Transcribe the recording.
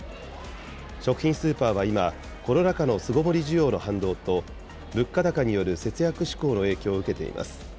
食品スーパーは今、コロナ禍の巣ごもり需要の反動と物価高による節約志向の影響を受けています。